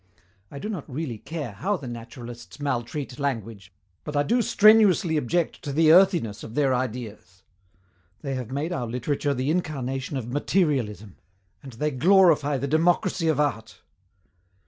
I do not really care how the naturalists maltreat language, but I do strenuously object to the earthiness of their ideas. They have made our literature the incarnation of materialism and they glorify the democracy of art!